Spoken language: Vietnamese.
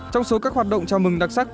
trong số các hoạt động chào mừng đặc sắc